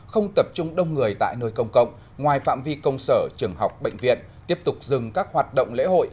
không tập trung đông người tại nơi công cộng ngoài phạm vi công sở trường học bệnh viện tiếp tục dừng các hoạt động lễ hội